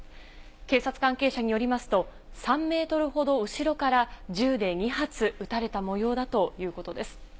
警察関係者によりますと、３メートルほど後ろから銃で２発撃たれたもようだということです。